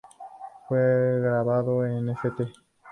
Fue grabado en Ft.